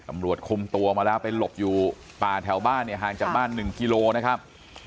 ตำรวจคุมตัวมาแล้วไปหลบอยู่ป่าแถวบ้านเนี่ยห่างจากบ้าน๑กิโลนะครับ